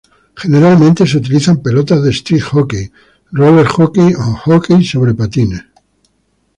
Generalmente se utilizan pelotas de street hockey, roller hockey o hockey sobre patines.